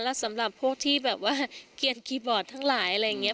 แล้วสำหรับพวกที่แบบว่าเกียร์คีย์บอร์ดทั้งหลายอะไรอย่างนี้